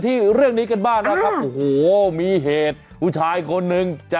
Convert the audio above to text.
ที่เรื่องนี้กันบ้างนะครับโอ้โหมีเหตุผู้ชายคนนึงจะ